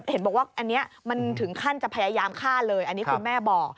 เห็นบอกว่าอันนี้มันถึงขั้นจะพยายามฆ่าเลยอันนี้คุณแม่บอก